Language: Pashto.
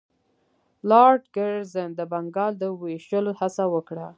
لارډ کرزن د بنګال د ویشلو هڅه وکړه.